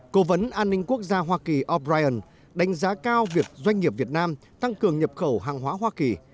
cố vấn an ninh quốc gia hoa kỳ o brien đánh giá cao việc doanh nghiệp việt nam tăng cường nhập khẩu hàng hóa hoa kỳ